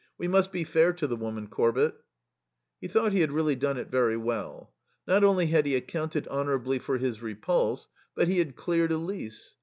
We must be fair to the woman, Corbett." He thought he had really done it very well. Not only had he accounted honourably for his repulse, but he had cleared Elise.